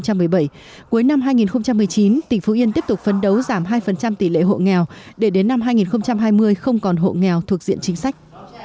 cuối năm hai nghìn một mươi chín tỉnh phú yên tiếp tục phấn đấu giảm hai tỷ lệ hộ nghèo để đến năm hai nghìn hai mươi không còn hộ nghèo thuộc diện chính sách